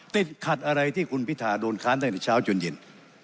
ติดขัดอะไรที่คุณพิธาโดนค้านตั้งแต่เช้าจนเย็น